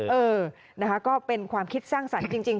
เออนะคะก็เป็นความคิดสร้างสรรค์จริง